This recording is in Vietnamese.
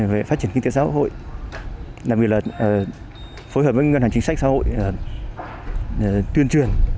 về phát triển kinh tế xã hội đặc biệt là phối hợp với ngân hàng chính sách xã hội tuyên truyền